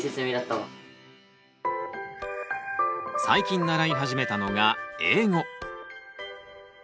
最近習い始めたのが英語。